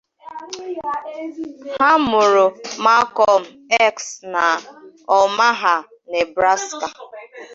Ha mụ̀rụ̀ Malcolm X nà Omaha, Nebraska.